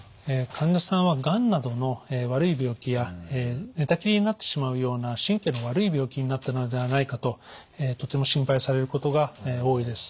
患者さんはがんなどの悪い病気や寝たきりになってしまうような神経の悪い病気になったのではないかととても心配されることが多いです。